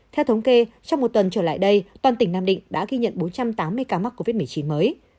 theo thống kê trong một tuần trở lại đây toàn tỉnh nam định đã ghi nhận bốn trăm tám mươi ca mắc covid một mươi chín mới